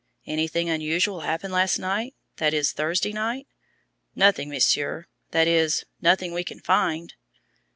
"Anything unusual happen last night that is, Thursday night?" "Nothing, Monsieur that is, nothing we can find."